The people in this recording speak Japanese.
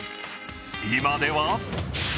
今では。